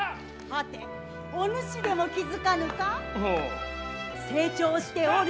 待て、お主でも気づかぬか？